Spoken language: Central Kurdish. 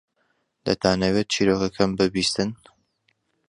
دەتانەوێت چیرۆکەکەم ببیستن؟